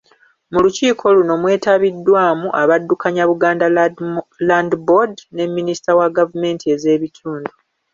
Mu lukiiko luno mwetabiddwaamu abaddukanya Buganda Land Board, ne Minisita wa Gavumenti ez'ebitundu.